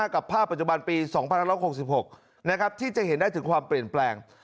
กับภาพปัจจุบันปี๒๑๖๖ที่จะเห็นได้ถึงความเปลี่ยนแปลง